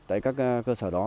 tại các cơ sở đó